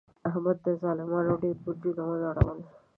احمد د ظالمانو ډېر برجونه و نړول.